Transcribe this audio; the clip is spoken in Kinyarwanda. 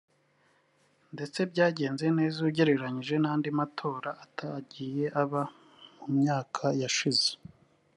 ndetse byagenze neza ugereranyije n’andi matora atagiye aba mu myaka yashize”